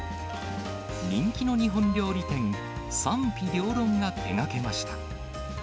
人気の日本料理店、賛否両論が手がけました。